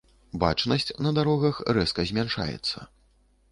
Бачнасць на дарогах рэзка змяншаецца.